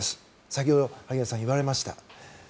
先ほど萩谷さんも言われました